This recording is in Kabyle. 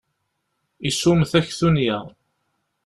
Isum taktunya.